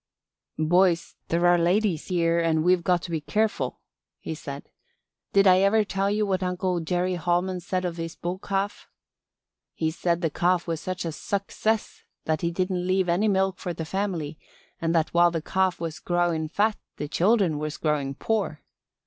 "Boys, there are ladies here and we've got to be careful," he said. "Did I ever tell you what Uncle Jerry Holman said of his bull calf? He said the calf was such a suckcess that he didn't leave any milk for the family and that while the calf was growin' fat the children was growin' poor.